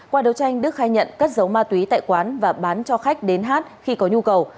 qua đấu tranh đức khai nhận cất giấu ma túy tại quán và bán cho khách đến hát khi có nhu cầu